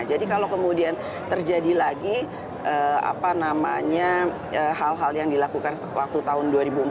jadi kalau kemudian terjadi lagi apa namanya hal hal yang dilakukan waktu tahun dua ribu empat belas